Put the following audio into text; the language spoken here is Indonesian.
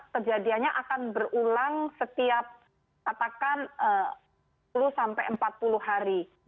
kejadiannya akan berulang setiap katakan sepuluh sampai empat puluh hari